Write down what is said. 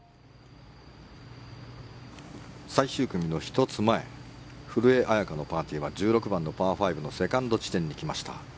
最終組の１つ前、古江彩佳は１６番のパー５のセカンド地点に来ました。